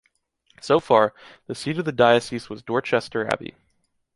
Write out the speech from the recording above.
So far, the seat of the diocese was Dorchester Abbey.